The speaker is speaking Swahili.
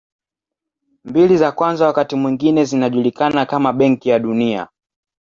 Mbili za kwanza wakati mwingine zinajulikana kama Benki ya Dunia.